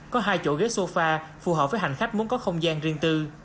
có hai chỗ ghế sofa phù hợp với hành khách muốn có không gian riêng tư